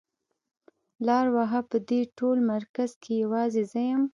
لار وهه په دې ټول مرکز کې يوازې زه يم.